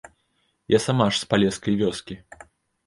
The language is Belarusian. Я сама ж з палескай вёскі!